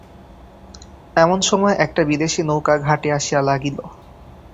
এমনসময় একটা বিদেশী নৌকা ঘাটে আসিয়া লাগিল।